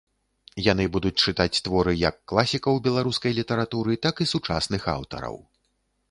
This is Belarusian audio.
Яны будуць чытаць творы як класікаў беларускай літаратуры, так і сучасных аўтараў.